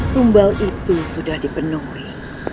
tumbal itu sudah dipenuhi